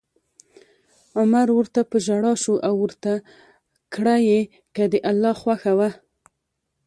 عمر ورته په ژړا شو او ورته کړه یې: که د الله خوښه وه